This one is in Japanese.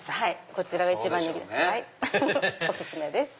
こちらが一番人気でお薦めです。